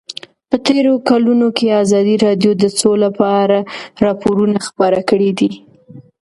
په تېرو کلونو کې ازادي راډیو د سوله په اړه راپورونه خپاره کړي دي.